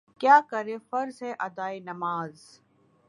کیا کریں فرض ہے ادائے نماز